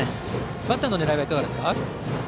バッターの狙いはいかがですか。